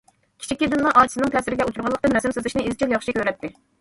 كىچىكىدىنلا ئاچىسىنىڭ تەسىرىگە ئۇچرىغانلىقتىن، رەسىم سىزىشنى ئىزچىل ياخشى كۆرەتتى.